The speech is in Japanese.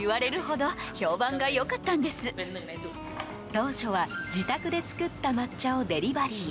当初は自宅で作った抹茶をデリバリー。